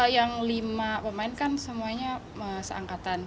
yang lima pemain kan semuanya seangkatan